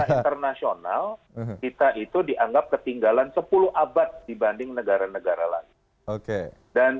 secara internasional kita itu dianggap ketinggalan sepuluh abad dibanding negara negara lain